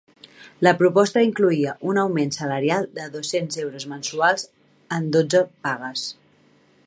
La proposta incloïa un augment salarial de dos-cents euros mensuals en dotze pagues.